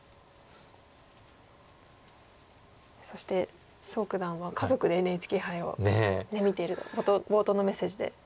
そして蘇九段は家族でＮＨＫ杯を見てると冒頭のメッセージでおっしゃっていました。